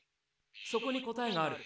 そこに答えがある。